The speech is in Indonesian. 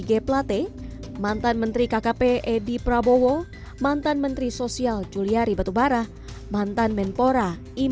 g plate mantan menteri kkp edi prabowo mantan menteri sosial juliari batubara mantan menpora